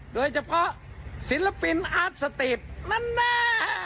โดยเฉพาะศิลปินอาร์ตสตรีตนั่นนั่นแน่